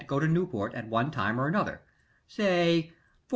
go to Newport at one time or another say, 4812.